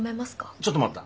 ちょっと待った。